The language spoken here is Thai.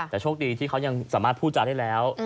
แต่โชคดีที่เขายังสามารถพูดจาได้แล้ว